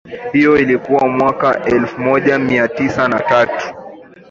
Hiyo ilikuwa mwaka elfu moja mia tisa na tatu